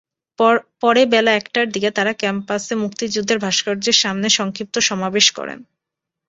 পরে বেলা একটার দিকে তাঁরা ক্যাম্পাসে মুক্তিযুদ্ধের ভাস্কর্যের সামনে সংক্ষিপ্ত সমাবেশ করেন।